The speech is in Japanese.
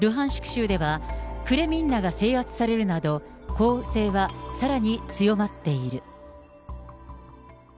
州では、クレミンナが制圧されるなど、攻勢はさらに強まっている。